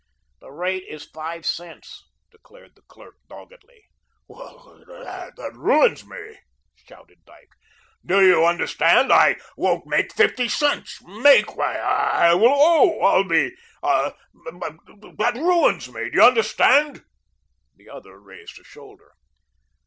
"The rate is five cents," declared the clerk doggedly. "Well, that ruins me," shouted Dyke. "Do you understand? I won't make fifty cents. MAKE! Why, I will OWE, I'll be be That ruins me, do you understand?" The other, raised a shoulder.